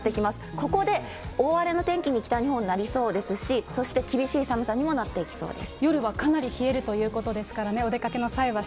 ここで大荒れの天気に、北日本なりそうですし、そして厳しい寒さにもなっていきそうです。